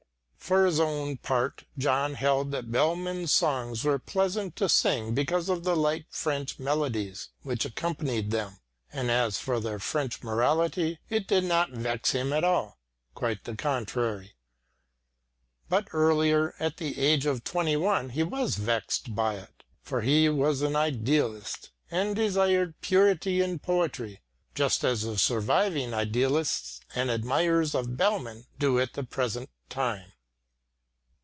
For his own part, John held that Bellmann's songs were pleasant to sing because of the light French melodies which accompanied them, and as for their French morality it did not vex him at all quite the contrary. But earlier, at the age of twenty one, he was vexed by it, for he was an idealist and desired purity in poetry, just as the surviving idealists and admirers of Bellmann do at the present time.